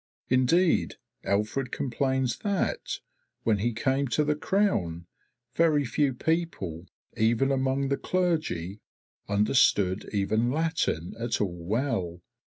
Indeed Alfred complains that, when he came to the Crown, very few people, even among the clergy, understood even Latin at all well.